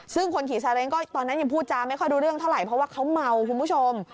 ซึ่งคนขี่ซาเล้งก็ตอนนั้นยังพูดจาไม่ค่อยรู้เรื่องเท่าไหร่เพราะว่าเขาเมาคุณผู้ชม